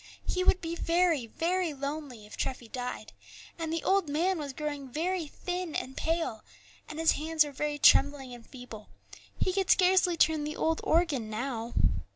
He would be very, very lonely if Treffy died; and the old man was growing very thin and pale, and his hands were very trembling and feeble; he could scarcely turn the old organ now.